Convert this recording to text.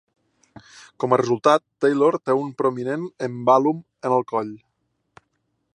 Com a resultat, Taylor té un prominent embalum en el coll.